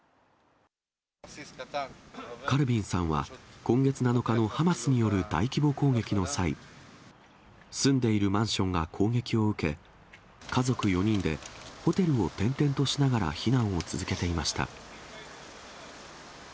カルピンさんは、今月７日のハマスによる大規模攻撃の際、住んでいるマンションが攻撃を受け、家族４人でホテルを転々としながら避難を続けていました。